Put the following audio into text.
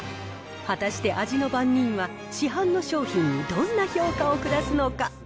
果たして、味の番人は市販の商品にどんな評価を下すのか。